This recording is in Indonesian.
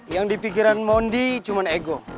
yang dipikiran mondi cuma ego